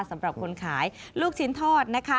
สำหรับคนขายลูกชิ้นทอดนะคะ